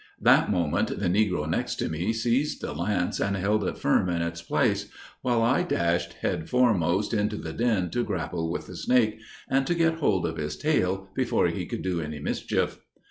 That moment the negro next to me seized the lance and held it firm in its place, while I dashed head foremost into the den to grapple with the snake, and to get hold of his tail before he could do any mischief.